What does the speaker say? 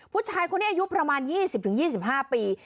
ผู้ชายคนนี้อายุประมาณ๒๐๒๕ปี